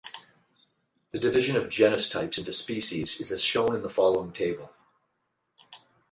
The division of genus types into species is as shown in the following table.